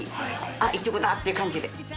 あっいちごだ！っていう感じで。